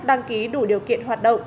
đăng ký đủ điều kiện hoạt động